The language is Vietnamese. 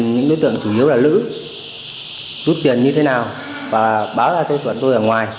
những đối tượng chủ yếu là lữ rút tiền như thế nào và báo ra cho bọn tôi ở ngoài